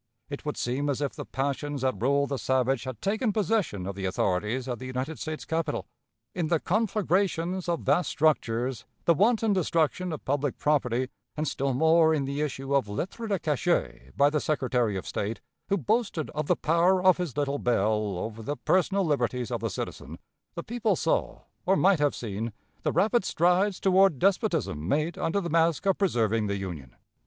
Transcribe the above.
It would seem as if the passions that rule the savage had taken possession of the authorities at the United States capital! In the conflagrations of vast structures, the wanton destruction of public property, and still more in the issue of lettres de cachet by the Secretary of State, who boasted of the power of his little bell over the personal liberties of the citizen, the people saw, or might have seen, the rapid strides toward despotism made under the mask of preserving the Union.